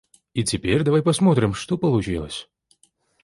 И теперь давай посмотрим, что получилось.